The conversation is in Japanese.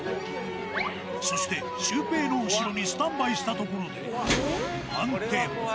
そして、シュウペイの後ろにスタンバイしたところで暗転。